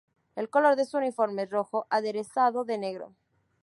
El color de su uniforme es rojo, aderezado de negro.